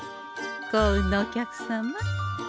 幸運のお客様。